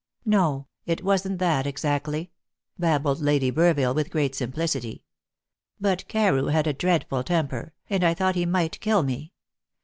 "No, it wasn't that exactly," babbled Lady Burville, with great simplicity. "But Carew had a dreadful temper, and I thought he might kill me.